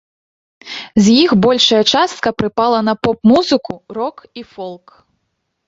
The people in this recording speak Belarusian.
З іх большая частка прыпала на поп-музыку, рок і фолк.